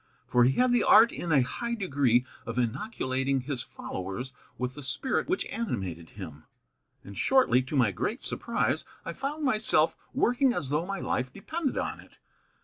For he had the art, in a high degree, of inoculating his followers with the spirit which animated him; and shortly, to my great surprise, I found myself working as though my life depended on it.